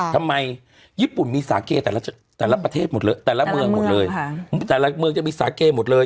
ทำไมญี่ปุ่นมีสาเก้แต่ละประเทศแต่ละเมืองแต่ละเมืองจะมีสาเก้หมดเลย